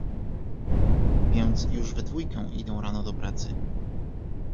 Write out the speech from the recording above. "Więc już we dwójkę idą rano do pracy."